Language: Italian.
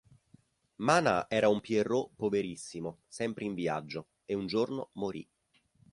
Mana era un Pierrot poverissimo sempre in viaggio, e un giorno morì.